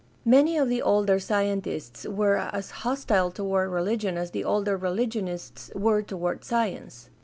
Many of the older scientists were as hostile toward religion as the older religionists were toward science.